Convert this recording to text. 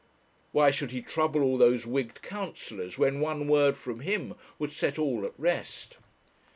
Why should he trouble all those wigged counsellors, when one word from him would set all at rest?